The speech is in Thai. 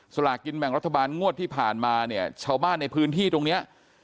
ลากินแบ่งรัฐบาลงวดที่ผ่านมาเนี่ยชาวบ้านในพื้นที่ตรงเนี้ย